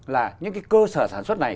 là những cái cơ sở sản xuất này